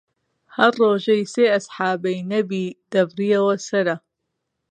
هەر ڕوژەی سێ ئەسحابەی نەبی دەبڕیەوە سەرە